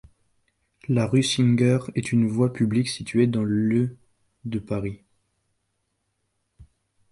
La rue Singer est une voie publique située dans le de Paris.